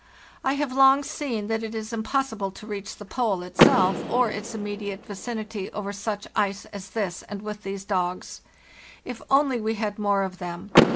I have long seen that it is impossible to reach the Pole itself or its immediate vicinity over such ice as this and with these dogs. If only we had more of them!